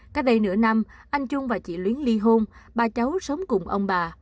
cách đây nửa năm anh trung và chị luyến ly hôn ba cháu sống cùng ông bà